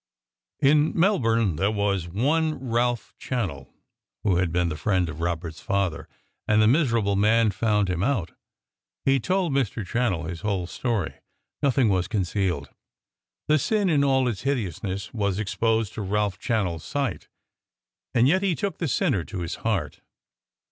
In Melbourne there was one Ralph Channell, who had been the friend of Robert's father, and the miserable man found him out. He told Mr. Channell his whole story. Nothing was concealed. The sin, in all its hideousness, was exposed to Ralph Channell's sight. And yet he took the sinner to his heart.